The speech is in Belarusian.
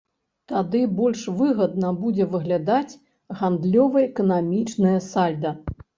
Тады больш выгадна будзе выглядаць гандлёва-эканамічнае сальда.